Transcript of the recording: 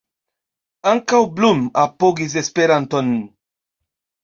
Ankaŭ Blum apogis Esperanton.